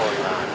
laku di situ